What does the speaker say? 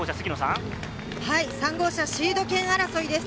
３号車、シード権争いです。